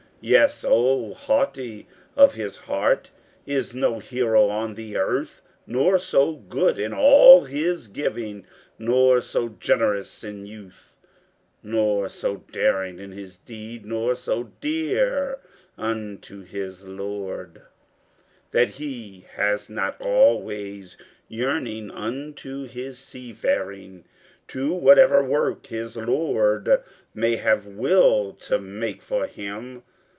Yes, so haughty of his heart is no hero on the earth, Nor so good in all his giving, nor so generous in youth, Nor so daring in his deed, nor so dear unto his lord, That he has not always yearning unto his sea faring, To whatever work his Lord may have will to make for him.